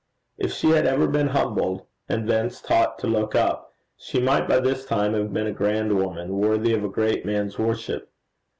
If she had ever been humbled, and thence taught to look up, she might by this time have been a grand woman, worthy of a great man's worship.